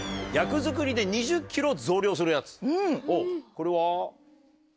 これは誰？